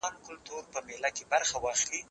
زه پرون ځواب ليکم؟